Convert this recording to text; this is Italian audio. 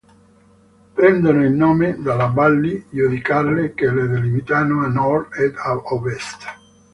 Prendono il nome dalle valli Giudicarie che le delimitano a nord e ad ovest.